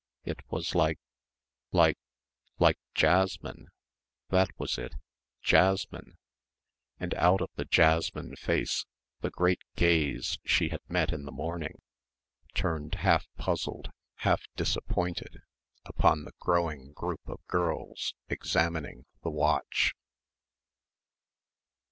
It was like like like jasmine that was it jasmine and out of the jasmine face the great gaze she had met in the morning turned half puzzled, half disappointed upon the growing group of girls examining the watch.